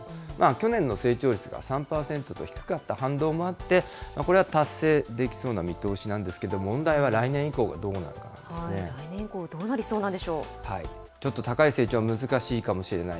去年の成長率が３％と低かった反動もあって、これは達成できそうな見通しなんですけれども、問題は来年以降が来年以降、どうなりそうなんちょっと高い成長は難しいかもしれない。